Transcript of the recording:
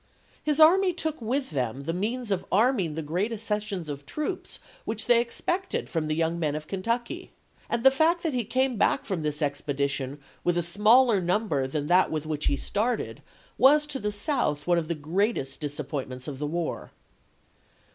His army took with them the means of arming the great accessions of troops which they expected from the young men of Kentucky, and the fact that he came back from this expedition with a smaller num 276 ABRAHAM LINCOLN ch. XIII. ber than that with which he started was to the South one of the greatest disappointments of the war.